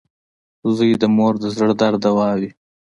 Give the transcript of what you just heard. • زوی د مور د زړۀ درد دوا وي.